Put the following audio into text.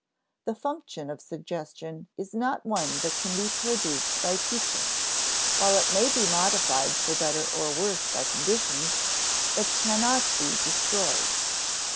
The function of suggestion is not one that can be produced by teaching; while it may be modified for better or worse by conditions, it cannot be destroyed.